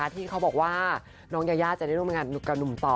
ที่เขาบอกว่าน้องยายาจะได้ร่วมงานกับหนุ่มต่อ